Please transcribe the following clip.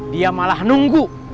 dia malah nunggu